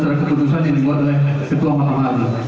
terhadap keputusan yang dibuat oleh ketua mahkamah agung